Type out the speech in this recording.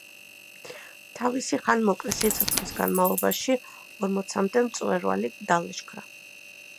თავისი ხანმოკლე სიცოცხლის განმავლობაში ორმოცამდე მწვერვალი დალაშქრა.